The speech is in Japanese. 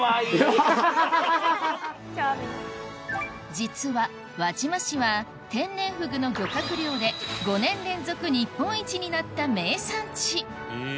実は輪島市は天然ふぐの漁獲量で５年連続日本一になった名産地へぇ。